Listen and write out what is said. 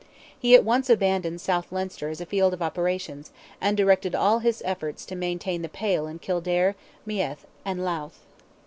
He at once abandoned South Leinster as a field of operations, and directed all his efforts to maintain the Pale in Kildare, Meath, and Louth.